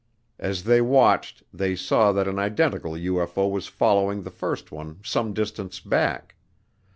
As they watched they saw that an identical UFO was following the first one some distance back.